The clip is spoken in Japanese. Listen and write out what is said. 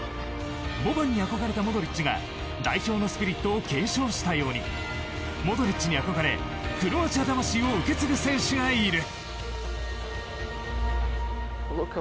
ボバンに憧れたモドリッチが代表のスピリットを継承したようにモドリッチに憧れクロアチア魂を受け継ぐ選手がいる。